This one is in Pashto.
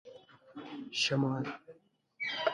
شمال